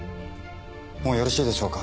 もうよろしいでしょうか？